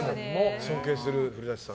尊敬する古舘さん。